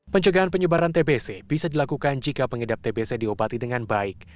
pencegahan penyebaran tbc bisa dilakukan jika pengidap tbc diobati dengan baik